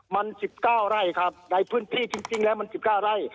มัน๑๙ไร่ครับในพื้นที่จริงแล้วมัน๑๙ไร่